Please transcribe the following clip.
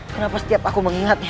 kenapa setiap aku mengingatnya